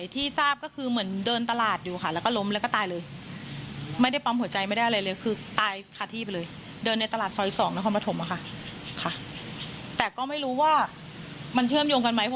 ทีนี้หลังการเสียชีวิตของครูตายไปแล้วแล้วทีแรกทุกคนก็คิดว่าเออสงสัยครูตายอาจจะโหมงานหนัก